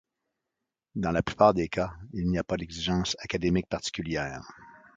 Dans la plupart des cas, il n’y a pas d’exigences académiques particulières.